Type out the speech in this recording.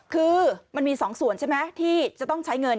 คือมันมี๒ส่วนใช่ไหมที่จะต้องใช้เงิน